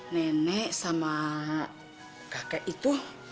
nenek sama kakek itu